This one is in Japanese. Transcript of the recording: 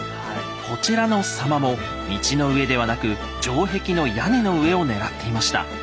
こちらの狭間も道の上ではなく城壁の屋根の上を狙っていました。